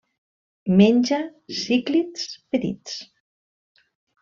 Menja cíclids petits.